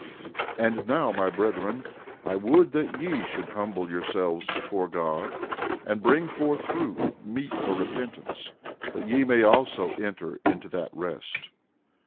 13:13 And now, my brethren, I would that ye should humble yourselves before God, and bring forth fruit meet for repentance, that ye may also enter into that rest.